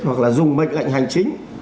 hoặc là dùng bệnh lệnh hành chính